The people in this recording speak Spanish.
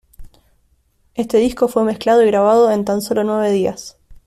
Este disco fue mezclado y grabado en tan solo nueve días.